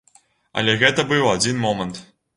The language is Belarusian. Але гэта быў адзін момант.